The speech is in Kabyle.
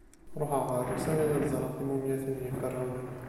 Ruḥeɣ ɣer usalay ad d-ẓreɣ timumyatin n Yiferɛunen.